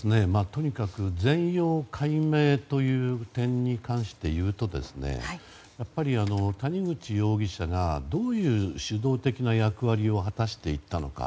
とにかく全容解明という点に関していうとやっぱり、谷口容疑者がどういう主導的な役割を果たしていたのか。